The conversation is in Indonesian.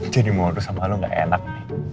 jadi mau adu sama lo gak enak nih